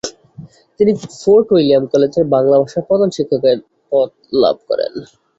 তিনি Fort William কলেজের বাংলা ভাষার প্রধান শিক্ষকের পদ লাভ করেন।